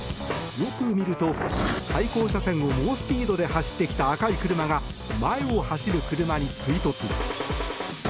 よく見ると、対向車線を猛スピードで走ってきた赤い車が前を走る車に追突。